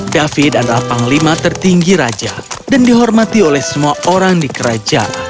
david adalah panglima tertinggi raja dan dihormati oleh semua orang di kerajaan